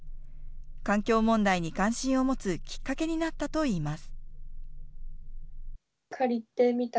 環境問題に関心を持つきっかけになったといいます。